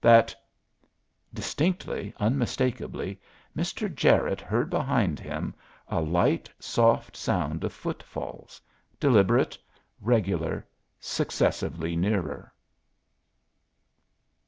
that " Distinctly, unmistakably, Mr. Jarette heard behind him a light, soft sound of footfalls, deliberate, regular, successively nearer!